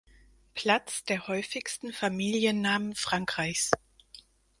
Platz der häufigsten Familiennamen Frankreichs.